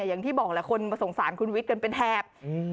อย่างที่บอกแหละคนมาสงสารคุณวิทย์กันเป็นแถบ